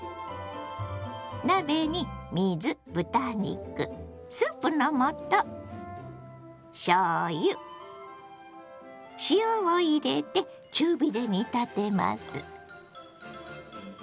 鍋に水豚肉スープの素しょうゆ塩を入れて中火で煮立てます。